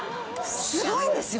すごいんですよ！